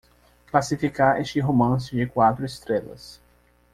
classificar este romance de quatro estrelas